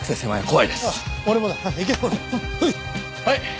はい！